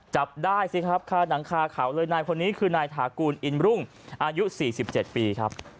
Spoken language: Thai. จับได้สิครับคาหนังคาเขาเลยนายคนนี้คือนายถากูลอินรุ่งอายุ๔๗ปีครับ